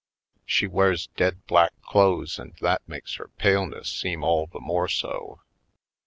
She wears dead black clothes and that makes her pale ness seem all the more so.